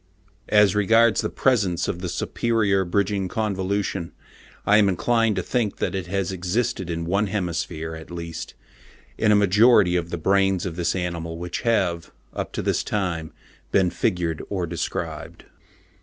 As regards the presence of the superior bridging convolution, I am inclined to think that it has existed in one hemisphere, at least, in a majority of the brains of this animal which have, up to this time, been figured or described.